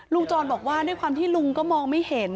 จรบอกว่าด้วยความที่ลุงก็มองไม่เห็น